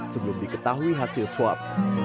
sebelum diketahui hasil swab